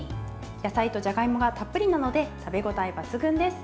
野菜とじゃがいもがたっぷりなので食べ応え抜群です。